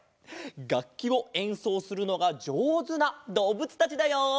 がっきをえんそうするのがじょうずなどうぶつたちだよ。